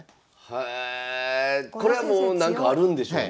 へえこれはもうなんかあるんでしょうね。